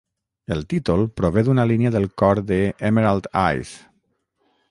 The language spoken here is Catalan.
El títol prové d'una línia del cor de "Emerald Eyes".